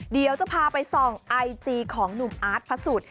เดี๋ยวจะพาไปส่องไอจีของหนุ่มอาร์ตพระสุทธิ์